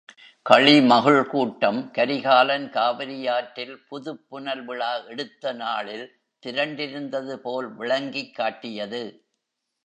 களிமகிழ் கூட்டம் கரிகாலன் காவிரியாற்றில் புதுப் புனல் விழா எடுத்த நாளில் திரண்டிருந்ததுபோல் விளங்கிக் காட்டியது.